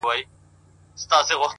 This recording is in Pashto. پرمختګ د عمل دوام غواړي.!